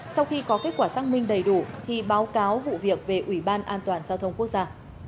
sau khi có kết quả xác minh đầy đủ thì báo cáo vụ việc về ủy ban an toàn giao thông quốc gia